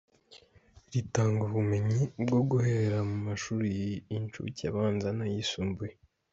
Ritanga ubumenyi bwo guhera mu mashuri y’ inshuke abanza n’ ayisumbuye.